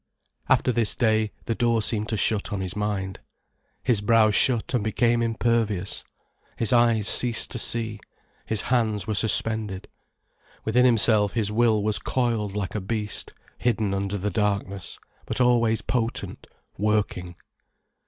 After this day, the door seemed to shut on his mind. His brow shut and became impervious. His eyes ceased to see, his hands were suspended. Within himself his will was coiled like a beast, hidden under the darkness, but always potent, working.